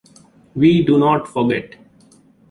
We do not forget!